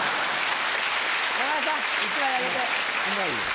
山田さん１枚あげて。